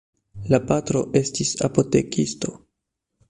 La patro estis apotekisto.